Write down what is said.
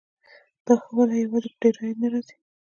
دا ښه والی یوازې په ډېر عاید نه راځي.